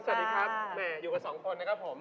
สวัสดีครับสวัสดีค่ะกูอยู่กับสองคนนะครับผม